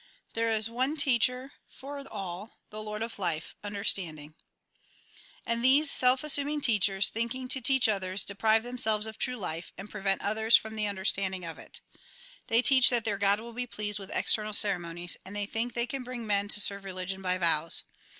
There is one teacher for all — the Lord of life — understanding. And these self assuming teachers, thinking to teach others, de prive themselves of true life, and prevent others from the understanding of it. They teach that their God will be pleased with external ceremonies ; and they think they can bring men to serve religion by vows.